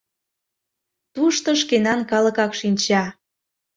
Тушто шкенан калыкак шинча...